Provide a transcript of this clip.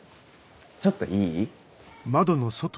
ちょっといい？